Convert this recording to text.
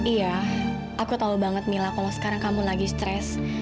iya aku tahu banget mila kalau sekarang kamu lagi stres